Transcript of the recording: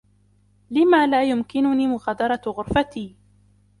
لم لا يمكنني مغادرة غرفتي؟